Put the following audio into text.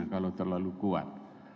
kalau terlalu kuat